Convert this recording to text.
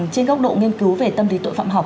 trên góc độ nghiên cứu về tâm lý tội phạm học